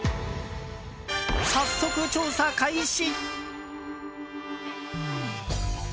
早速、調査開始！